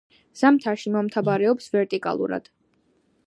ზამთარში მომთაბარეობს ვერტიკალურად.